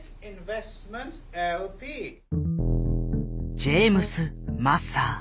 ジェームス・マッサー。